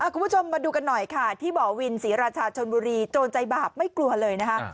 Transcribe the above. คุณผู้ชมมาดูกันหน่อยค่ะที่บ่อวินศรีราชาชนบุรีโจรใจบาปไม่กลัวเลยนะคะ